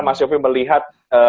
mas yofi melihat